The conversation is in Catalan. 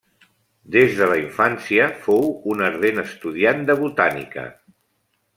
Des de la infància, fou un ardent estudiant de botànica.